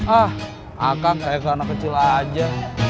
ah akan kayak ke anak kecil aja